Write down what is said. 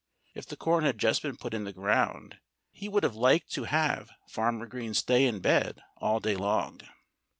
If the corn had just been put in the ground, he would have liked to have Farmer Green stay in bed all day long.